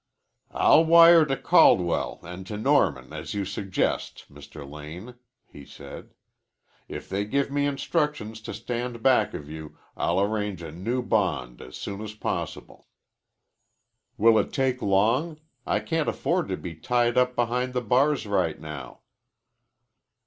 "I'll wire to Caldwell and to Norman as you suggest, Mr. Lane," he said. "If they give me instructions to stand back of you, I'll arrange a new bond as soon as possible." "Will it take long? I can't afford to be tied up behind the bars right now."